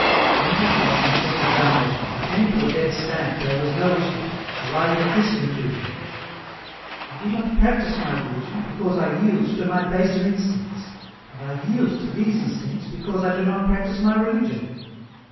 Wandering thus in self examination, he came to a dead stand where was no issue, arriving at this conclusion :" I do not practise my religion, because I yield to my baser instincts, and I yield to these instincts because I do not practise my religion."